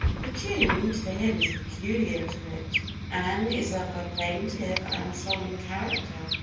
The tune to the hymn is peculiar to it, and is of a plaintive and solemn character.